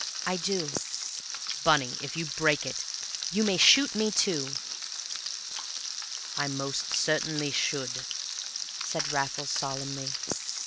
"I do." "Bunny, if you break it " "You may shoot me, too!" "I most certainly should," said Raffles, solemnly.